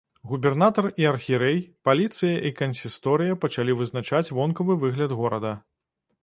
Губернатар і архірэй, паліцыя і кансісторыя пачалі вызначаць вонкавы выгляд горада.